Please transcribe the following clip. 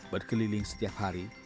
berkeliling setiap hari